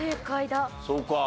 そうか。